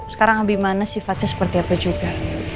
sekarang habimana sifatnya seperti apa juga